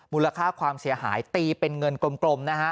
มูลค่าความเสียหายตีเป็นเงินกลมนะฮะ